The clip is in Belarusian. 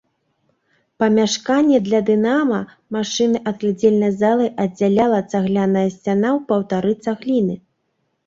Памяшканне для дынама-машыны ад глядзельнай залы аддзяляла цагляная сцяна ў паўтары цагліны.